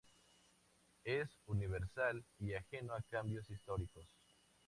Es universal y ajeno a cambios históricos.